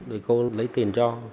để cô lấy tiền cho